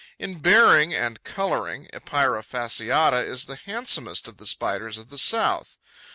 In bearing and colouring, Epeira fasciata is the handsomest of the Spiders of the South.